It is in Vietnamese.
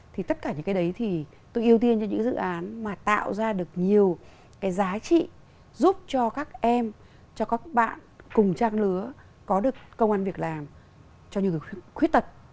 thì tất cả những cái đấy thì tôi ưu tiên cho những dự án mà tạo ra được nhiều cái giá trị giúp cho các em cho các bạn cùng trang lứa có được công an việc làm cho những người khuyết tật